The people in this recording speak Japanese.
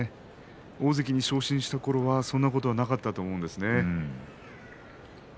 大関に昇進したころはそんなことはなかったと思います。